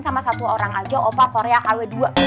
sama satu orang aja opa korea kawedua